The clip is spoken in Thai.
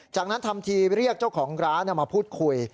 จากนั้นทำทีเรียกเจ้าของร้านมาพูดคุย